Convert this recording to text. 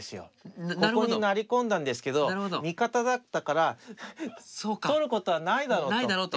ここに成り込んだんですけど味方だったから取ることはないだろうと。